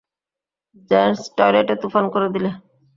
Gents টয়লেটে তুফান করে দিলে!